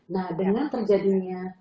nah dengan terjadinya